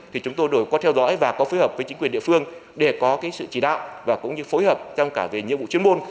thì chúng tôi đổi qua theo dõi và có phối hợp với chính quyền địa phương để có sự chỉ đạo và cũng như phối hợp trong cả về nhiệm vụ chuyên môn